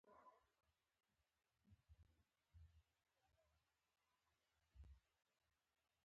د پښتو ژبې د ثبت لپاره د انسټیټوت هڅې ستایلې کېږي.